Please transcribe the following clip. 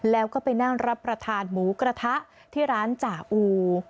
แล้วก็ไปนั่งรับประทานหมูกระทะที่ร้านจ่าอู